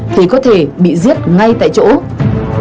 thì có thể bị giết ngay tại chỗ này